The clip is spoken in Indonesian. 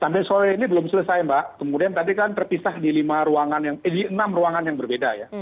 sampai sore ini belum selesai mbak kemudian tadi kan terpisah di enam ruangan yang berbeda ya